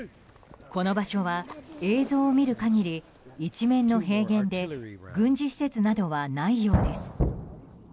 この場所は、映像で見る限り一面の平原で軍事施設などはないようです。